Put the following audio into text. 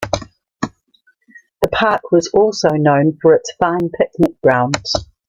The park was also known for its fine picnic grounds.